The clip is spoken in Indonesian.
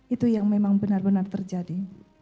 itu yang memang benar benar terjadi